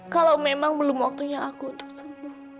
kalau memang belum waktunya aku untuk sembuh